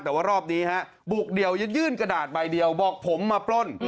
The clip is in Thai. แต่ว่ารอบนี้ฮะบุกเดี่ยวยื่นกระดาษใบเดียวบอกผมมาปล้น